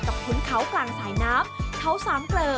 จากคุณเขากลางสายน้ำเค้าสามเกลอ